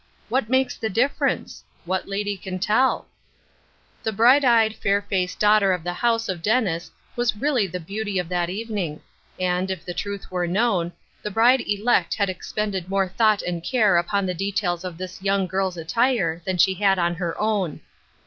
What makes the difference ? What lady can tell ? The bright; eyed, fair faced daughter of the house of Dennis was really the beauty of that evening ; and, if the truth were known, the bride elect had expended more thought and care upon the details of this young girl's attire than she had on her own.